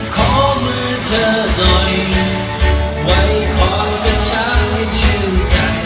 ขอมือเธอหน่อยไว้ขอเป็นช้างให้ชื่นใจ